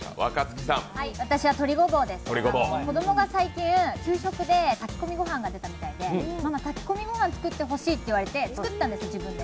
子供が最近、給食で炊き込みご飯が出たみたいでママ、炊き込みご飯作ってほしいって言われて作ったんです、自分で。